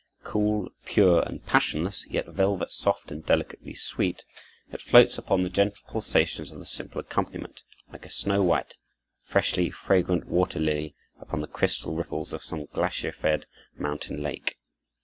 Cool, pure, and passionless, yet velvet soft and delicately sweet, it floats upon the gentle pulsations of the simple accompaniment, like a snow white, freshly fragrant water lily, upon the crystal ripples of some glacier fed mountain lake.